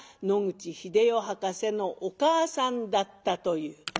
野口英世博士のお母さんだったという。